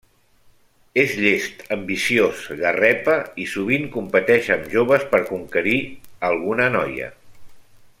És llest, ambiciós garrepa; i sovint competeix amb joves per conquerir alguna noia.